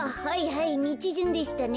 はいみちじゅんでしたね。